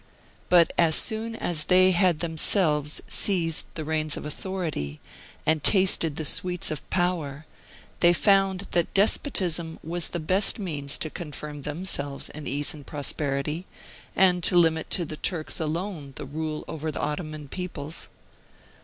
But as soon as they had themselves seized the reins of authority, and tasted the sweets of power, they found that despotism was the best means to confirm themselves in ease and prosperity, and to limit to the Turks alone the rule over the Ottoman peoples.